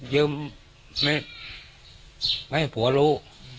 ยืมไม่ให้ผัวรู้